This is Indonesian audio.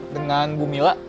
dengan bu mila